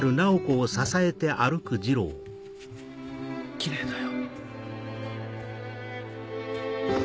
きれいだよ。